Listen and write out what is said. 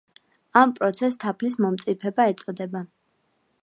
ამ პროცესს თაფლის მომწიფება ეწოდება.